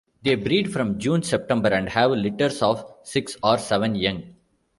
They breed from June-September and have litters of six or seven young.